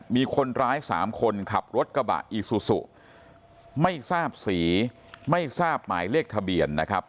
มีคนร้ายสามคนขับรถกระบะอีซูซูไม่ทราบสีไม่ทราบหมายเลขทะเบียนนะครับ